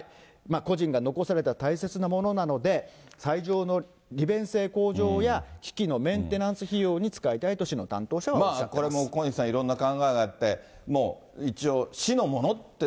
故人が残された大切なものなので、斎場の利便性向上や、機器のメンテナンス費用に使いたいと市の担当者はおっしゃってまこれも小西さん、いろんな考え方があって、もう一応、市のものって、